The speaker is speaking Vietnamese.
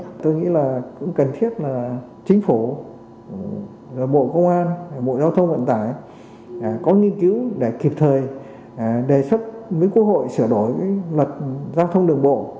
chúng tôi cũng cần thiết chính phủ bộ công an bộ giao thông vận tải có nghiên cứu để kịp thời đề xuất với quốc hội sửa đổi luật giao thông đường bộ